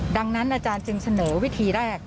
ดังนั้นอาจารย์จึงเสนอวิธีแรก